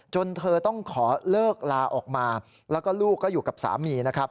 เธอต้องขอเลิกลาออกมาแล้วก็ลูกก็อยู่กับสามีนะครับ